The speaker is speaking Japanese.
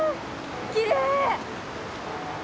きれい。